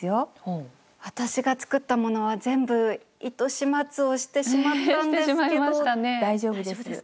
私が作ったものは全部糸始末をしてしまったんですけど。